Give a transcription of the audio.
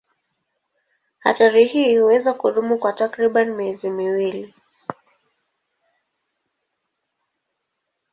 Hatari hii huweza kudumu kwa takriban miezi miwili.